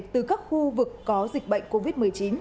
từ các khu vực có dịch bệnh covid một mươi chín